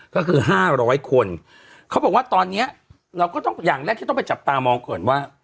ก็คือ๕๐๐คนเขาบอกว่าตอนนี้เราก็ต้องอย่างแรกที่ต้องไปจับตามองก่อนว่า